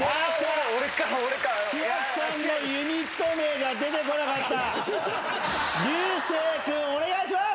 千秋さんのユニット名が出てこなかった流星君お願いします！